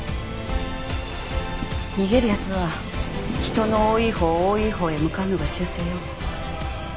逃げる奴は人の多いほう多いほうへ向かうのが習性よ。